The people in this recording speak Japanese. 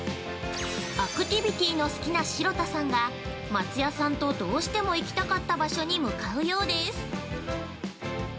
◆アクティビティの好きな城田さんが、松也さんとどうしても行きたかった場所に向かうようです。